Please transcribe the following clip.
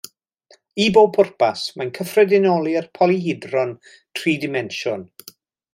I bob pwrpas, mae'n cyffredinoli'r polyhedron tri dimensiwn.